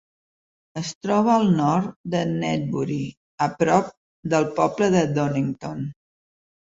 Es troba al nord de Newbury, a prop del poble de Donnington.